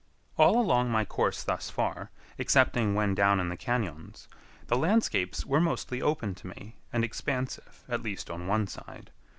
All along my course thus far, excepting when down in the cañons, the landscapes were mostly open to me, and expansive, at least on one side.